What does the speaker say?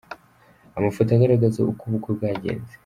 Amafoto agaragaza uko ubukwe bwagenze :.